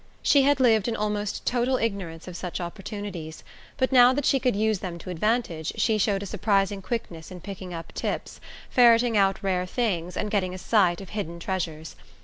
She had lived in almost total ignorance of such opportunities, but now that she could use them to advantage she showed a surprising quickness in picking up "tips," ferreting out rare things and getting a sight of hidden treasures.